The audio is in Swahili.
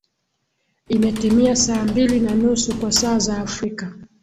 imetimia saa mbili na nusu kwa saa za afrika